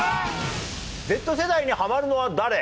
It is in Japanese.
「Ｚ世代にハマるのはだれ？